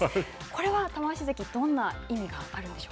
これは玉鷲関、どんな意味がある